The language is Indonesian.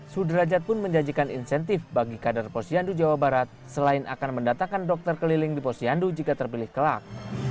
sudrajat pun menjanjikan insentif bagi kader posyandu jawa barat selain akan mendatakan dokter keliling di posyandu jika terpilih kelak